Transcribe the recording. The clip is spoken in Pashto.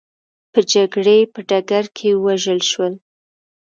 په جګړې په ډګر کې ووژل شول.